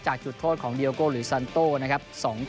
จากจุดโทษของเดียโอโกลิซันโต่นะครับ